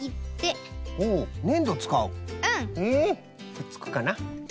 くっつくかな。